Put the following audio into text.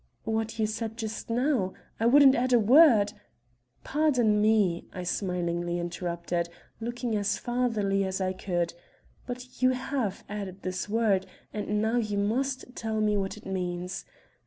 "What you said just now. I wouldn't add a word " "Pardon me!" I smilingly interrupted, looking as fatherly as I could, "but you have added this word and now you must tell me what it means.